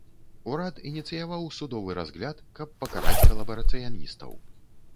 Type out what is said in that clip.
Урад ініцыяваў судовы разгляд, каб пакараць калабарацыяністаў.